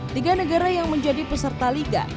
tiga negara yang menjadi peserta liga